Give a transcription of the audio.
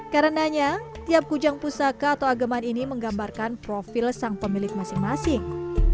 karenanya tiap kujang pusaka atau ageman ini menggambarkan profil sang pemilik masing masing